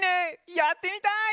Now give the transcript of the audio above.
やってみたい！